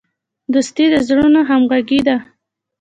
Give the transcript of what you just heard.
دوستي د زړونو همغږي ده.